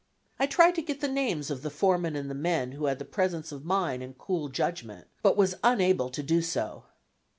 I tried to get the names of the foreman and men who had the presence of mind and cool judgment, but was unable to do so.